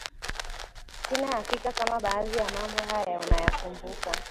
Sina hakika kama baadhi ya mambo haya unayakumbuka